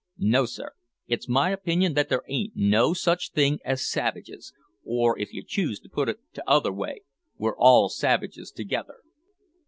No, sir; it's my opinion that there ain't no such thing as savages or, if you choose to put it the tother way, we're all savages together."